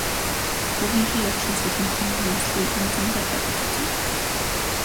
Хүүгийнхээ явдлаас уламлан Нансалыг янз янзаар бодож үзэв.